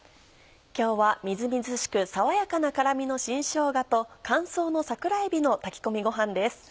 今日はみずみずしく爽やかな辛みの新しょうがと乾燥の桜えびの炊き込みご飯です。